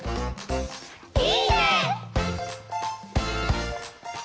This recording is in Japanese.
いいね！